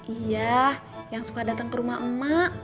iya yang suka datang ke rumah emak emak